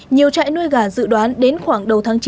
nhiều trại nuôi gà dự đoán đến khoảng đầu tháng chín